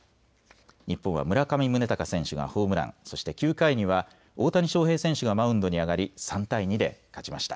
日本は村上宗隆選手がホームラン、そして９回には大谷翔平選手がマウンドに上がり３対２で勝ちました。